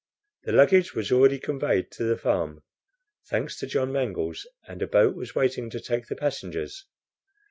The luggage was already conveyed to the farm, thanks to John Mangles, and a boat was waiting to take the passengers.